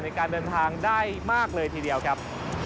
ในการเดินทางได้มากเลยทีเดียวครับ